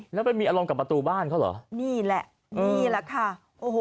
แล้วไปมีอารมณ์กับประตูบ้านเขาเหรอนี่แหละนี่แหละค่ะโอ้โห